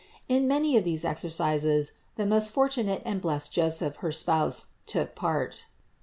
In many of these exercises the most fortunate and blessed Joseph, her spouse, took part.